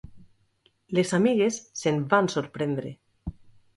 Les amigues se'n van sorprendre.